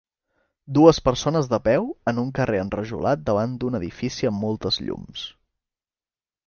Dues persones de peu en un carrer enrajolat davant d'un edifici amb moltes llums.